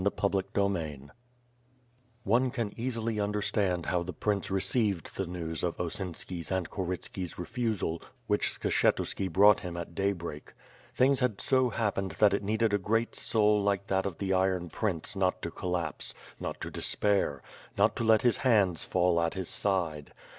CHAPTEE XIIL One can easily understand how the prince received the news of Osinsk's and Korytski^s refusal, which Skshetuski brought him at daybreak. Things had so happened that it needed a great soul like that of the iron prince not to col lapse; not to despair; not to. let his hands fall at his side.